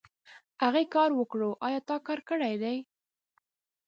هغې کار وکړو ايا تا کار کړی دی ؟